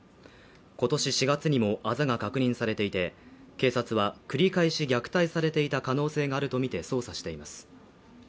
今年４月にもあざが確認されていて、警察は、繰り返し虐待されていた可能性があるとみて捜査しています。